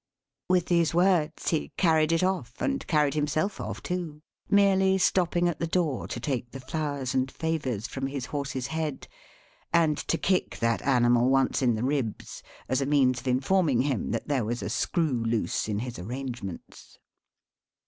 With these words he carried it off, and carried himself off too: merely stopping at the door, to take the flowers and favors from his horse's head, and to kick that animal once in the ribs, as a means of informing him that there was a screw loose in his arrangements.